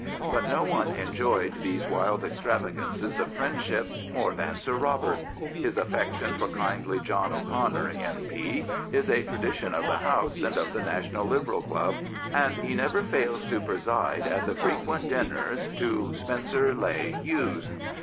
But no one enjoyed these wild extravagances of friendship more than Sir Robert, His affection for kindly John O'Connor, M.P., is a tradition of the House and of the National Liberal Club, and he never fails to preside at the frequent dinners to Spencer Leigh Hughes.